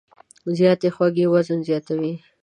زیاتې خوږې وزن زیاتوي.